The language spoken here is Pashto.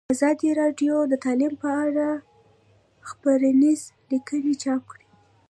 ازادي راډیو د تعلیم په اړه څېړنیزې لیکنې چاپ کړي.